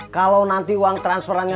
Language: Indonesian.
kalau nanti uang transferannya